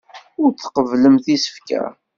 Ur tqebblemt isefka.